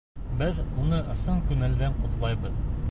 Беҙ уны ысын күңелдән ҡотлайбыҙ!